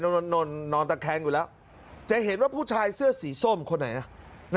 นอนตะแคงอยู่แล้วจะเห็นว่าผู้ชายเสื้อสีส้มคนไหนนะ